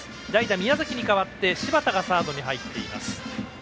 代打、宮崎に代わって柴田がサードに入っています。